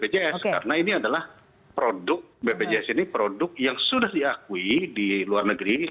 bpjs karena ini adalah produk bpjs ini produk yang sudah diakui di luar negeri